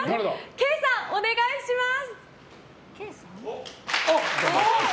Ｋさん、お願いします！